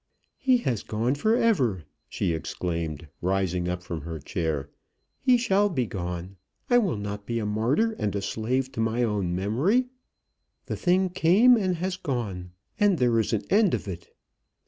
"He has gone for ever!" she exclaimed, rising up from her chair. "He shall be gone; I will not be a martyr and a slave to my own memory. The thing came, and has gone, and there is an end of it."